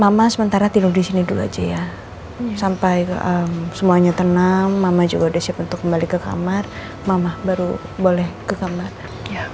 mama sementara tidur di sini dulu aja ya sampai semuanya tenang mama juga udah siap untuk kembali ke kamar mama baru boleh ke kamar